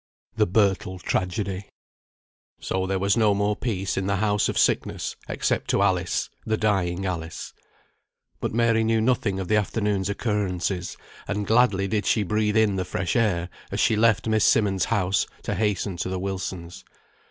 "THE BIRTLE TRAGEDY." So there was no more peace in the house of sickness, except to Alice, the dying Alice. But Mary knew nothing of the afternoon's occurrences; and gladly did she breathe in the fresh air, as she left Miss Simmonds' house, to hasten to the Wilsons'.